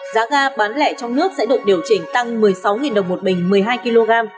giá ga bán lẻ trong nước sẽ được điều chỉnh tăng một mươi sáu đồng một bình một mươi hai kg